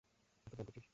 এতো ব্যায়াম করছিস?